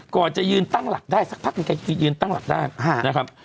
ก่อนจะยืนตั้งหลักได้สักพักหนึ่งแกจะยืนตั้งหลักได้นะครับ